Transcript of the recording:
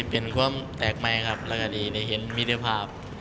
ก็จะเป็นความแตกใหม่ครับและก็จะได้เห็นมิเดียภาพ